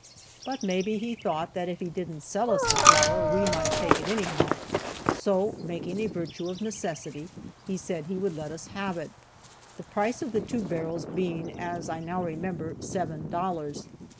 But maybe he thought that if he didn't sell us the flour, we might take it anyhow, so, making a virtue of necessity, he said he would let us have it, the price of the two barrels being, as I now remember, seven dollars.